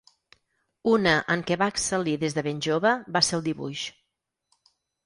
Una en què va excel·lir des de ben jove va ser el dibuix.